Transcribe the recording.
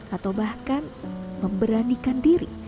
atau bahkan memberanikan diri